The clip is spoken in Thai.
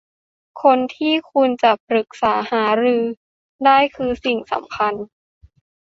คนที่คุณจะปรึกษาหารือได้คือสิ่งสำคัญ